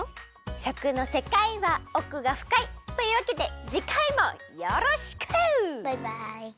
しょくのせかいはおくがふかい！というわけでじかいもよろしく！バイバイ！